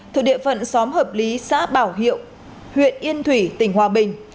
thuộc địa phận xóm hợp lý xã bảo hiệu huyện yên thủy tỉnh hòa bình